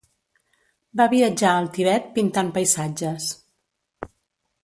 Va viatjar al Tibet pintant paisatges.